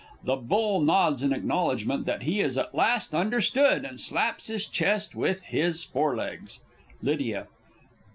[The Bull nods in acknowledgment that he is at last understood, and slaps his chest with his forelegs. _Lydia.